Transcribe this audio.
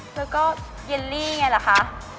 แล้วก็เยลลี่ไงเหรอคะ